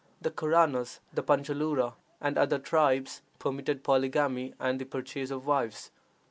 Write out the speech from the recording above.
The Corannas, the Panchalura, and other tribes, permitted polygamy and the purchase of wives.